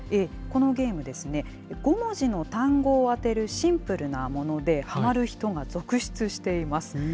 このゲーム、５文字の単語を当てるシンプルなもので、はまる人が続出しています。